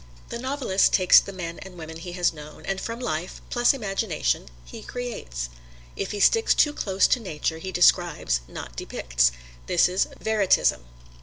The novelist takes the men and women he has known, and from life, plus imagination, he creates. If he sticks too close to nature he describes, not depicts: this is "veritism."